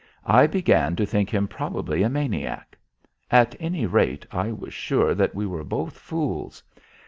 I began to think him probably a maniac. At any rate, I was sure that we were both fools.